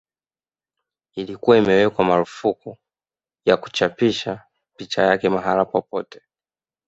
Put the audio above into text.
Ilikuwa imewekwa marufuku ya kuchapisha picha yake mahala popote